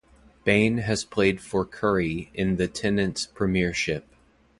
Bain has played for Currie in the Tennents Premiership.